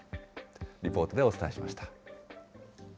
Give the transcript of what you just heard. リポートでお伝えしました。